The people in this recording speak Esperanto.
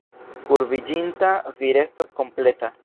Kurbiĝinta vi restos kompleta.